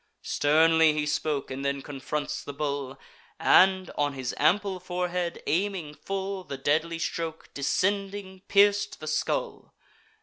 Sternly he spoke, and then confronts the bull; And, on his ample forehead aiming full, The deadly stroke, descending, pierc'd the skull.